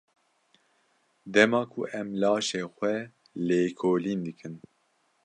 Dema ku em laşê xwe lêkolîn dikin.